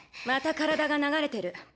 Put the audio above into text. また体が流れてる。